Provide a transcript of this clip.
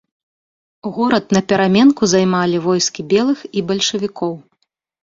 Горад напераменку займалі войскі белых і бальшавікоў.